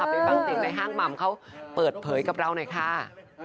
เป็นบางเด็กในห้างหม่ำเขาเปิดเผยกับเรานะค่ะ